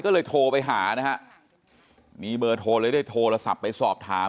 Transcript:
ก็เลยโทรไปหานะฮะมีเบอร์โทรเลยได้โทรศัพท์ไปสอบถาม